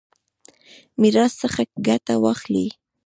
میراث څخه ګټه واخلي.